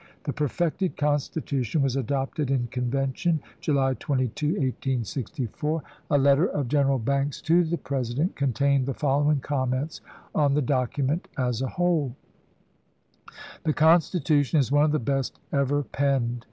The perfected constitution was adopted in Convention July 22, 1864. A letter of General Banks to the President contained the following comments on the document as a whole :" The constitution ... is one of the best ever penned.